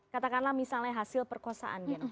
katakanlah misalnya hasil perkosaan